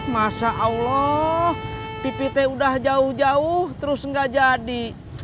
masa allah pipitnya udah jauh jauh terus nggak jadi